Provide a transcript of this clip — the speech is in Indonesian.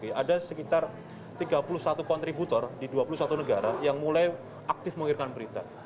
ada sekitar tiga puluh satu kontributor di dua puluh satu negara yang mulai aktif mengirimkan berita